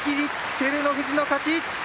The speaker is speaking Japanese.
照ノ富士の勝ち！